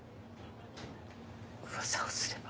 噂をすれば。